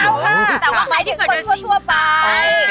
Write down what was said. แต่ว่าใครก็ถูกผสมถั่วไป